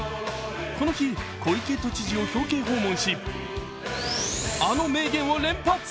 この日、小池都知事を表敬訪問し、あの名言を連発。